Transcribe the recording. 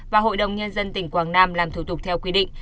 và hội đồng nhân dân tỉnh quảng nam làm thủ tục theo quy định